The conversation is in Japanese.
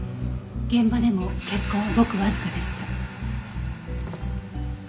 現場でも血痕はごくわずかでした。